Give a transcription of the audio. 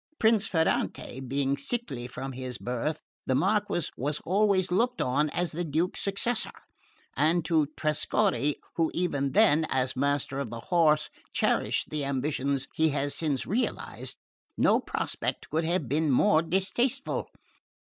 Prince Ferrante being sickly from his birth, the Marquess was always looked on as the Duke's successor, and to Trescorre, who even then, as Master of the Horse, cherished the ambitions he has since realised, no prospect could have been more distasteful.